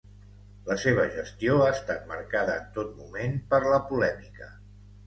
La seva gestió ha estat marcada en tot moment per la polèmica.